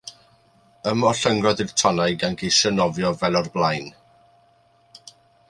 Ymollyngodd i'r tonnau gan geisio nofio fel o'r blaen.